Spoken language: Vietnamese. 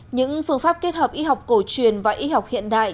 những phương pháp kết hợp y học cổ truyền và y học hiện đại